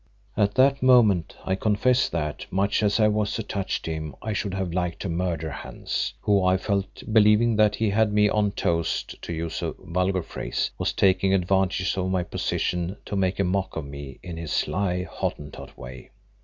At that moment I confess that, much as I was attached to him, I should have liked to murder Hans, who, I felt, believing that he had me "on toast," to use a vulgar phrase, was taking advantage of my position to make a mock of me in his sly, Hottentot way.